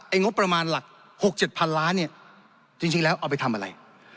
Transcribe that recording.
งบประมาณหลัก๖๗พันล้านเนี่ยจริงแล้วเอาไปทำอะไร